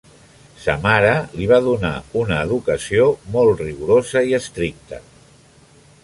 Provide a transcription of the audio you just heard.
Sa mare li va donar una educació molt rigorosa i estricta.